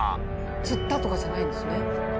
つったとかじゃないんですね。